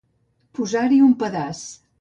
Posar-hi un pedaç.